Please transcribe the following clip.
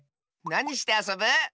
なにしてあそぶ？